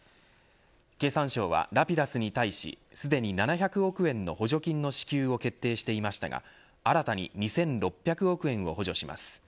経産省はラピダスに対しすでに７００億円の補助金の支給を決定していましたが新たに２６００億円を補助します。